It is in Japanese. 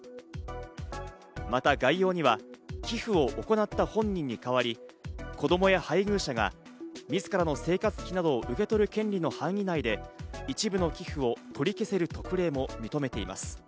また概要には寄付を行った本人に代わり、子供や配偶者がみずからの生活費などを受け取る権利の範囲内で一部の寄付を取り消せる特例も認めています。